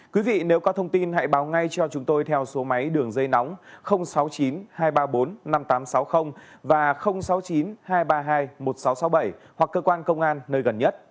quý vị nếu có thông tin hãy báo ngay cho chúng tôi theo số máy đường dây nóng sáu mươi chín hai trăm ba mươi bốn năm nghìn tám trăm sáu mươi và sáu mươi chín hai trăm ba mươi hai một nghìn sáu trăm sáu mươi bảy hoặc cơ quan công an nơi gần nhất